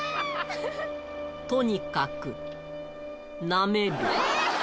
とにかく、なめる。